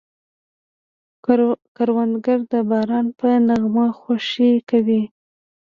کروندګر د باران په نغمه خوښي کوي